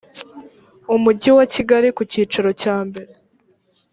umujyi wa kigali ku cyicaro cyambere